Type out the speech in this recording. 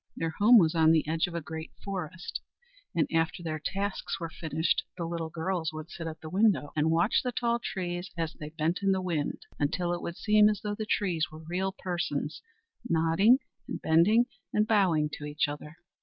Their home was on the edge of a great forest; and after their tasks were finished the little girls would sit at the window and watch the tall trees as they bent in the wind, until it would seem as though the trees were real persons, nodding and bending and bowing to each other.